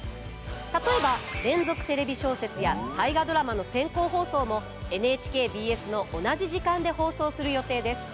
例えば「連続テレビ小説」や「大河ドラマ」の先行放送もＮＨＫＢＳの同じ時間で放送する予定です。